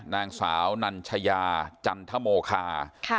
นางสาวนัญชญาจันทะโมคาค่ะ